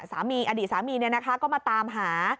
สามีอดีตสามีเนี่ยนะคะก็มาตามหา